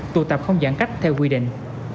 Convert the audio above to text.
tụ tập không giãn cách theo quy định